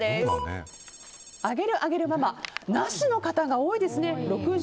あげるあげるママなしの方が多いですね。